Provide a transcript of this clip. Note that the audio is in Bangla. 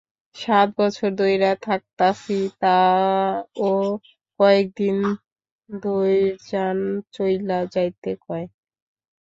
সাত বছর ধইরা থাকতাছি, তা-ও কয়েক দিন ধইর্যান চইল্যা যাইতে কয়।